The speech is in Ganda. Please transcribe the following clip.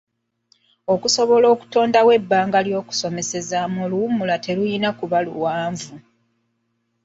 Okusobola okutondawo ebbanga ly'okusomeramu oluwummula terulina kuba luwanvu.